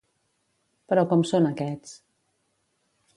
Però com són aquests?